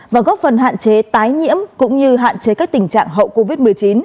và góp phần hạn chế tái nhiễm cũng như hạn chế các tình trạng hậu covid một mươi chín